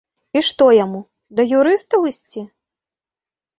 І што яму, да юрыстаў ісці?